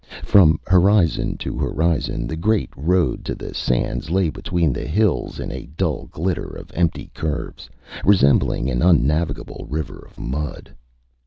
From horizon to horizon the great road to the sands lay between the hills in a dull glitter of empty curves, resembling an unnavigable river of mud.